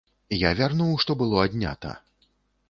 Я вярнуў, што было аднята.